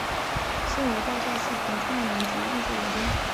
现为爆炸戏棚创办人及艺术总监。